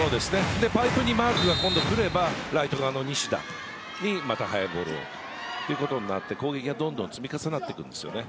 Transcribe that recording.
パイプにマークが来ればライト側の西田にまた速いボールをとなって攻撃がどんどん積み重なっていくんですね。